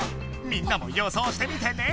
みんなも予想してみてね！